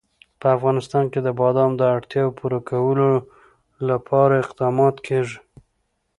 په افغانستان کې د بادام د اړتیاوو پوره کولو لپاره اقدامات کېږي.